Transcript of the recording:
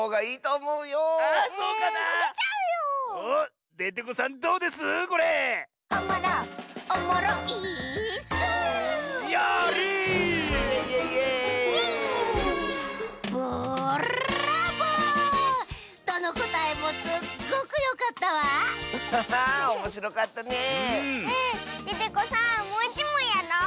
もういちもんやろう！